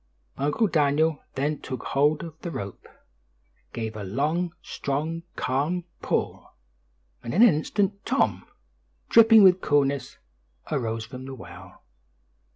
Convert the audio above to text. Uncle Daniel then took hold of the rope, gave a long, strong, calm pull, and in an instant, Tom, "dripping with coolness, arose from the well."